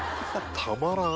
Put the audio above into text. たまらん。